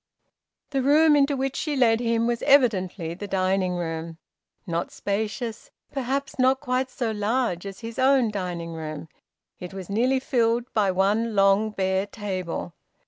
The room into which she led him was evidently the dining room. Not spacious, perhaps not quite so large as his own dining room, it was nearly filled by one long bare table.